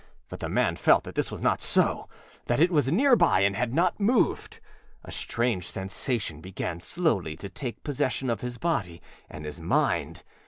But the man felt that this was not soâthat it was near by and had not moved. A strange sensation began slowly to take possession of his body and his mind.